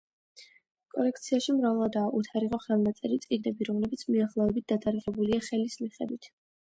კოლექციაში მრავლადაა უთარიღო ხელნაწერი წიგნები, რომლებიც მიახლოებით დათარიღებულია ხელის მიხედვით.